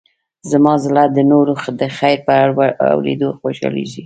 زما زړه د نورو د خیر په اورېدو خوشحالېږي.